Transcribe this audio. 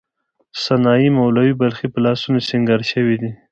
سنايي، مولوی بلخي په لاسونو سینګار شوې دي.